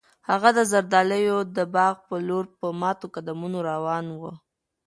هغه د زردالیو د باغ په لور په ماتو قدمونو روان و.